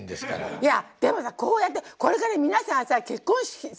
いやでもさこうやってこれから皆さんさ結婚式とかお正月。